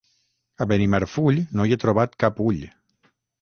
A Benimarfull no hi he trobat cap ull.